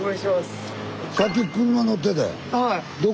はい。